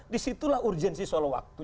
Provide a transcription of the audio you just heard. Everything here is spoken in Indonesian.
disitulah urgensi soal waktu